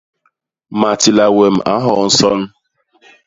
Matila wem a nhoo nson.